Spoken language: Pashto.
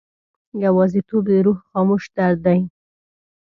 یوازیتوب د روح خاموش درد دی.